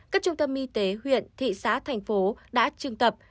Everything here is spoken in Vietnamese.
các trung tâm y tế huyện thị xã thành phố đã trưng tập